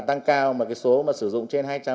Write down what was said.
tăng cao mà số sử dụng trên hai trăm linh